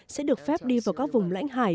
sẽ được phép đi vào các vùng lãnh hải